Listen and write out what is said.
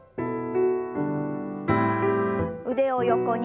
腕を横に。